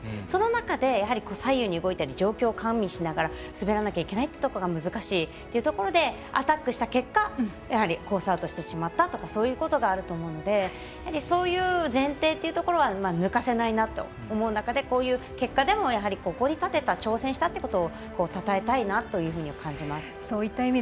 その中で、左右に動いたり状況を加味しながら滑らなきゃいけないというところが難しいというところでアタックした結果コースアウトしてしまったとかそういうことがあると思うのでそういう前提というところは抜かせないなと思う中でこういう結果でも、ここに立てた挑戦したっていうことをたたえたいなというふうに感じました。